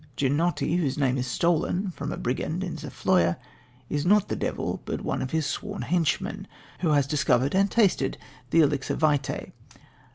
Ginotti, whose name is stolen from a brigand in Zofloya, is not the devil but one of his sworn henchmen, who has discovered and tasted the elixir vitae.